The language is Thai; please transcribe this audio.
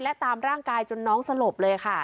และตามร่างกายจนน้องสลบเลยค่ะ